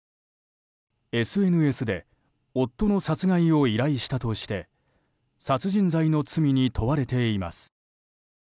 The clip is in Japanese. ＳＮＳで夫の殺害を依頼したとして殺人罪の罪に問われています。